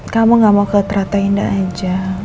kamu gak mau ke trata indah aja